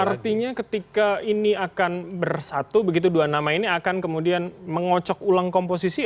artinya ketika ini akan bersatu begitu dua nama ini akan kemudian mengocok ulang komposisi